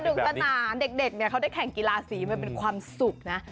สนุกสนานเด็กเขาได้แข่งกีฬาสีมันเป็นความสุขนะ